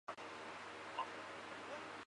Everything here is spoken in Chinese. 毛叶蕨为膜蕨科毛叶蕨属下的一个种。